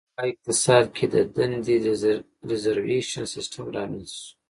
د کا اقتصاد کې د دندې د ریزروېشن سیستم رامنځته شو.